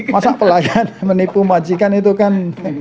masa pelayan menipu majikan itu kan